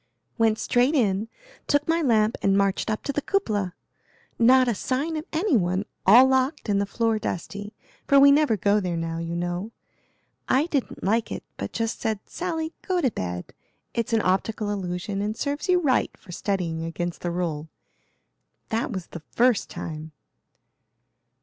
"Went straight in, took my lamp and marched up to the cupola. Not a sign of any one, all locked and the floor dusty, for we never go there now, you know. I didn't like it, but just said, 'Sally, go to bed; it's an optical illusion and serves you right for studying against the rule.' That was the first time."